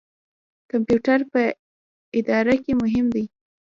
کمپیوټر په اداره کې مهم دی